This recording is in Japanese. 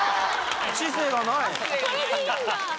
これでいいんだ。